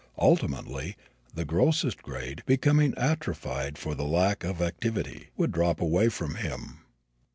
Ultimately, the grossest grade, becoming atrophied for the lack of activity, would drop away from him.